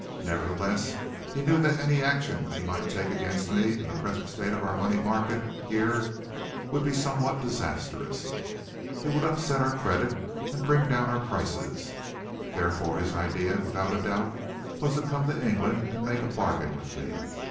Nevertheless, he knew that any action he might take against me in the present state of our money market here would be somewhat disastrous. It would upset our credit and bring down our prices. Therefore, his idea, without a doubt, was to come to England and make a bargain with me.